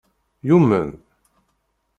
Yumen?